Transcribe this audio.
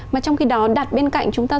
mà trong khi đó đặt bên cạnh chúng ta